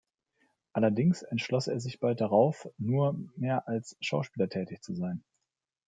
Allerdings entschloss er sich bald darauf, nur mehr als Schauspieler tätig zu sein.